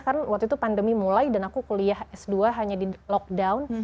karena waktu itu pandemi mulai dan aku kuliah s dua hanya di lockdown